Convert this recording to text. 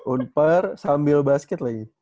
unpar sambil basket lagi